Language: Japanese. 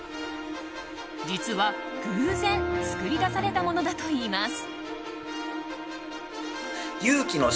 実は、偶然作り出されたものだといいます。